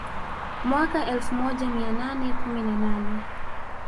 Mwaka elfu moja mia nane kumi na nane